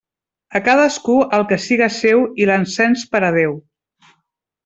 A cadascú el que siga seu i l'encens per a Déu.